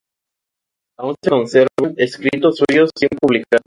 Aún se conservan escritos suyos sin publicar.